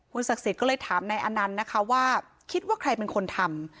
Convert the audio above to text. ศักดิ์สิทธิ์ก็เลยถามนายอนันต์นะคะว่าคิดว่าใครเป็นคนทำ